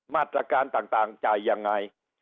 มาตรการต่างจ่ายยังไง